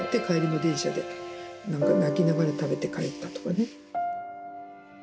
帰りの電車で泣きながら食べて帰ったとかね。